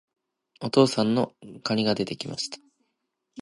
お父さんの蟹が出て来ました。